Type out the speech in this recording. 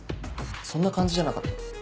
そんな感じじゃなかった？